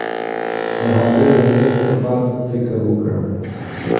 د هغې د علت په باب فکر وکړه.